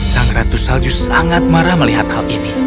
sang ratu salju sangat marah melihat hal ini